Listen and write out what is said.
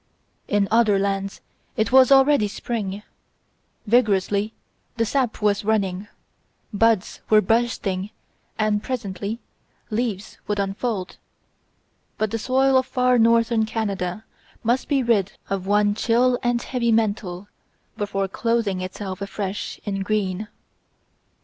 In other lands it was already spring; vigorously the sap was running, buds were bursting and presently leaves would unfold; but the soil of far northern Canada must be rid of one chill and heavy mantle before clothing itself afresh in green.